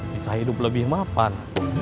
bisa hidup lebih mapan